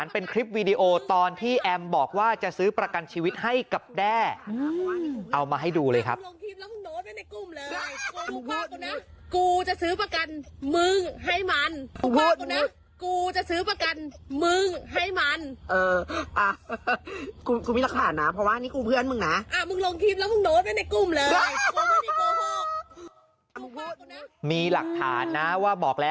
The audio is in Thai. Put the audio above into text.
เป็นคลิปวีดีโอตอนที่แอมบอกว่าจะซื้อประกันชีวิตให้กับแด้เอามาให้ดูเลยครับ